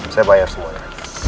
saya bayar semuanya